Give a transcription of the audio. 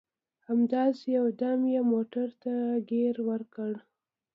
همداسې یو دم یې موټر ته ګیر ورکړ.